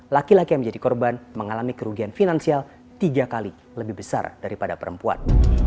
laki laki yang menjadi korban mengalami kerugian finansial tiga kali lebih besar daripada perempuan